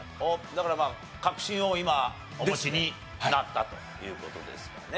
だからまあ確信を今お持ちになったという事ですかね。